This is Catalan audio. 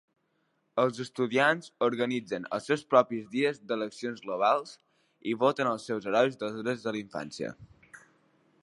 Els estudiants organitzen els seus propis Dies d'Eleccions Globals i voten els seus Herois dels Drets de la Infància.